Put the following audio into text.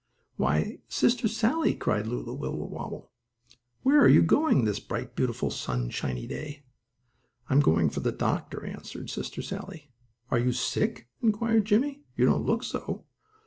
"Why, Sister Sallie!" cried Lulu Wibblewobble, "where are you going this bright, beautiful, sunshiny day?" "I'm going for the doctor," answered Sister Sallie. "Are you sick?" inquired Jimmie. "You don't look so."